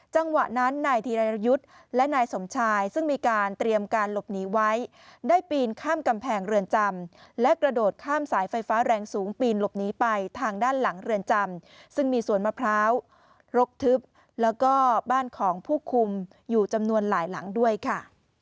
จังหวะนั้นนายธีรยุทธ์และนายสมชายซึ่งมีการเตรียมการหลบหนีไว้ได้ปีนข้ามกำแพงเรือนจำและกระโดดข้ามสายไฟฟ้าแรงสูงปีนหลบหนีไปทางด้านหลังเรือนจำซึ่งมีสวนมะพร้าวรกทึบแล้วก็บ้านของผู้คุมอยู่จำนวนหลายหลังด้วยค่ะ